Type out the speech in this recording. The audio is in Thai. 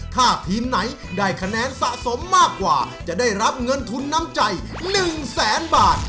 ถ้าทีมไหนได้คะแนนสะสมมากกว่าจะได้รับเงินทุนน้ำใจ๑แสนบาท